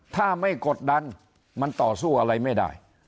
ถ้าไม่กดดันมันต่อสู้อะไรไม่ได้